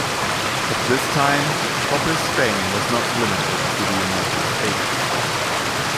At this time, Cropper's fame was not limited to the United States.